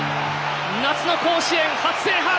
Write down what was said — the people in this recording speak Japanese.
夏の甲子園初制覇。